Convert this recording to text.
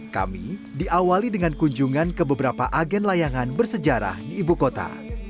kami diawali dengan kunjungan ke beberapa agen layangan bersejarah di ibu kota